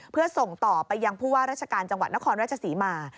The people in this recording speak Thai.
เพื่อส่งต่อไปยังผู้ว่าราชการจังหวัดนครราชศรีมา